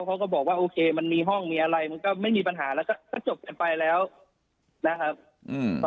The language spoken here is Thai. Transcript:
เขาก็บอกว่าโอเคมันมีห้องมีอะไรมันก็ไม่มีปัญหาแล้วก็ก็จบกันไปแล้วนะครับอืม